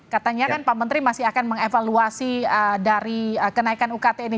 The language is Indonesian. katanya kan pak menteri masih akan mengevaluasi dari kenaikan ukt ini